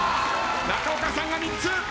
中岡さんが３つ！